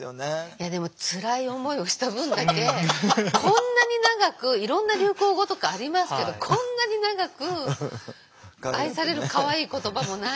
いやでもつらい思いをした分だけこんなに長くいろんな流行語とかありますけどこんなに長く愛されるかわいい言葉もないし。